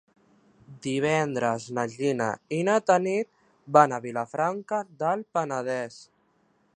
Divendres na Gina i na Tanit van a Vilafranca del Penedès.